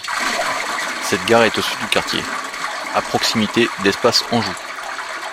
Cette gare est au sud du quartier, à proximité d'Espace Anjou.